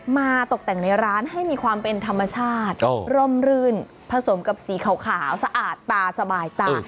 มาตกแต่งในร้านให้มีความเป็นธรรมชาติร่มรื่นผสมกับสีขาวสะอาดตาสบายตา